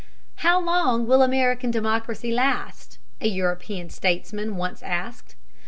"How long will American democracy last?" a European statesman once asked.